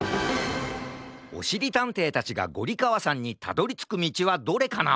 おしりたんていたちがゴリかわさんにたどりつくみちはどれかな？